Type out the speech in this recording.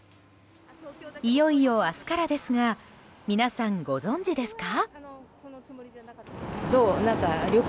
いよいよ明日からですが皆さん、ご存じですか？